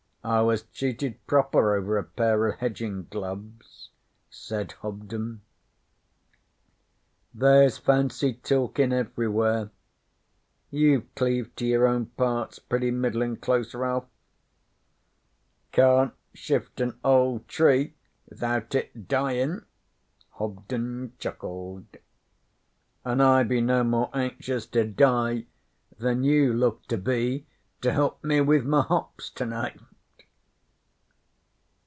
I was cheated proper over a pair of hedgin' gloves,' said Hobden. 'There's fancy talkin' everywhere. You've cleaved to your own parts pretty middlin' close, Ralph.' 'Can't shift an old tree 'thout it dyin',' Hobden chuckled. 'An' I be no more anxious to die than you look to be to help me with my hops tonight.'